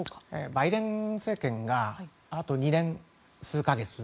バイデン政権があと２年数か月。